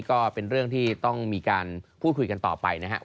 ก็เป็นเรื่องที่ต้องมีการพูดคุยกันต่อไปนะครับ